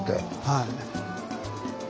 はい。